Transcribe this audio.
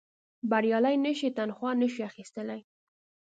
بریالي نه شي تنخوا نه شي اخیستلای.